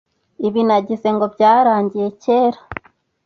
Ibi nagize ngo byarangiye kera